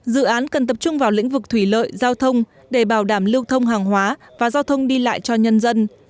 dự án cần tập trung vào lĩnh vực thủy lợi giao thông để bảo đảm lưu thông hàng hóa và giao thông đi lại cho nhân dân